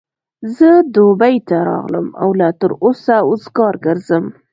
زه دبۍ ته راغلم او لا تر اوسه وزګار ګرځم.